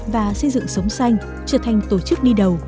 và xây dựng sống xanh trở thành tổ chức đi đầu